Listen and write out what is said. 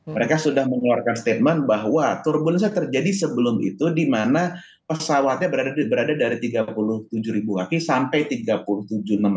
mereka sudah mengeluarkan statement bahwa turbonce nya terjadi sebelum itu di mana pesawatnya berada dari tiga puluh tujuh ribu tapi sampai tiga puluh tujuh enam ratus